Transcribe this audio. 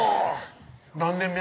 何年目？